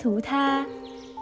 chúng ta có thể nhận diện